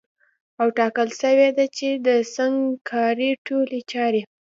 او ټاکل سوې ده چي د سنګکارۍ ټولي چاري